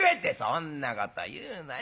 「そんなこと言うなよ。